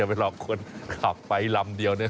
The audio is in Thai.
อย่าไปหลอกคนขับไฟลำเดียวเนี่ย